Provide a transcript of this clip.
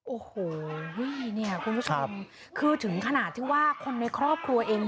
โอ้โหเนี่ยคุณผู้ชมคือถึงขนาดที่ว่าคนในครอบครัวเอง